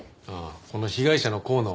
この被害者の香野